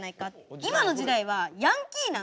今の時代はヤンキーなんですよ。